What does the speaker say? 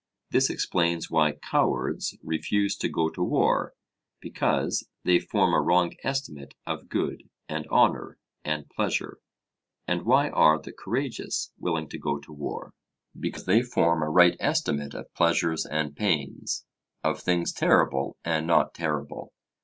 This explains why cowards refuse to go to war: because they form a wrong estimate of good, and honour, and pleasure. And why are the courageous willing to go to war? because they form a right estimate of pleasures and pains, of things terrible and not terrible.